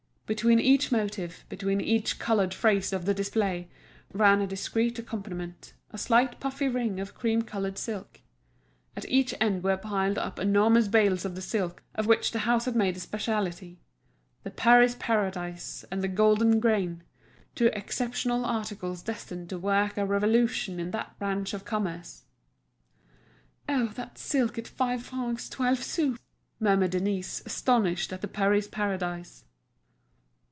Between each motive, between each coloured phrase of the display, ran a discreet accompaniment, a slight puffy ring of cream coloured silk. At each end were piled up enormous bales of the silk of which the house had made a specialty, the "Paris Paradise" and the "Golden Grain," two exceptional articles destined to work a revolution in that branch of commerce. "Oh, that silk at five francs twelve sous!" murmured Denise, astonished at the "Paris Paradise."